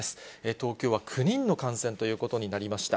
東京は９人の感染ということになりました。